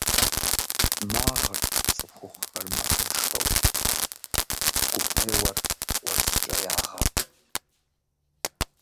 Магъыр цӏыхухъухэр макъыншэу, гукъеуэр кӏуэцӏкӏэ ягъэв.